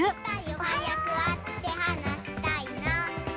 「はやくあってはなしたいな」